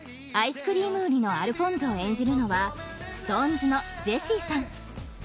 アイスクリーム売りのアルフォンゾを演じるのはＳｉｘＴＯＮＥＳのジェシーさん］